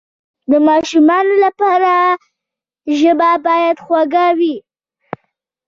د ماشومانو لپاره ژبه باید خوږه وي.